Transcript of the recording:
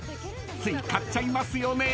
［つい買っちゃいますよね］